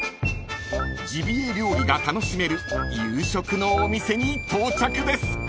［ジビエ料理が楽しめる夕食のお店に到着です］